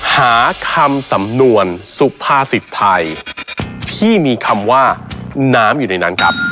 หาคำสำนวนสุภาษิตไทยที่มีคำว่าน้ำอยู่ในนั้นครับ